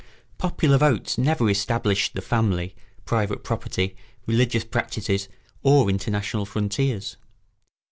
Popular votes never established the family, private property, religious practices, or international frontiers.